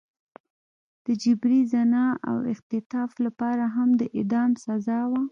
د جبري زنا او اختطاف لپاره هم د اعدام سزا وه.